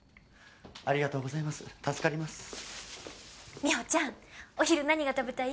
美帆ちゃんお昼何が食べたい？